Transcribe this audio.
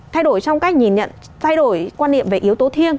thay đổi trong cách nhìn nhận thay đổi quan niệm về yếu tố thiêng